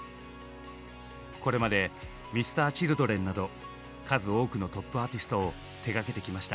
これまでＭｒ．Ｃｈｉｌｄｒｅｎなど数多くのトップアーティストを手がけてきました。